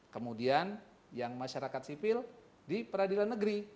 kemudian yang masyarakat sipil di peradilan negeri